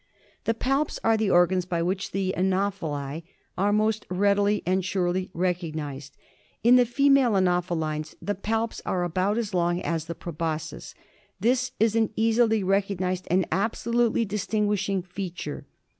} The palps are the organs by which the Ano phelinae are most readily and surely, recognised. In the female anophelines the palps are about as long as the proboscis. This is an easily recognised and abso lutely distinguishing feature.